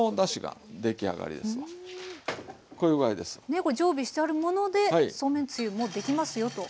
ねっこれ常備してあるものでそうめんつゆもできますよと。